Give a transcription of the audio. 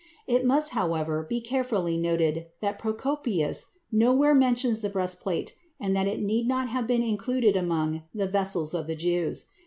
It must, however, be carefully noted that Procopius nowhere mentions the breastplate and that it need not have been included among "the vessels of the Jews."